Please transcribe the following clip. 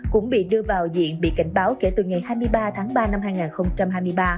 cũng bị đưa vào diện bị cảnh báo kể từ ngày hai mươi ba tháng ba năm hai nghìn hai mươi ba